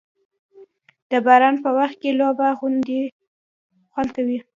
د باران په وخت کې لوبه خوند کوي.